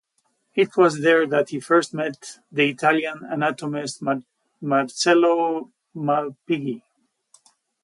It was there that he first met the Italian anatomist Marcello Malpighi.